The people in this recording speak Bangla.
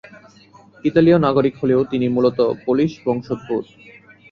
ইতালীয় নাগরিক হলেও তিনি মূলত পোলিশ বংশোদ্ভূত।